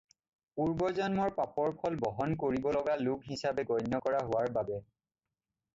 পূৰ্বজন্মৰ পাপৰ ফল বহন কৰিবলগা লোক হিচাপে গণ্য কৰা হোৱাৰ বাবে।